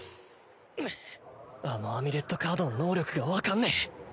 あのアミュレットカードの能力がわかんねえ